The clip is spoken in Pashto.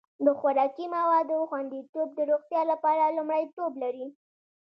د خوراکي موادو خوندیتوب د روغتیا لپاره لومړیتوب لري.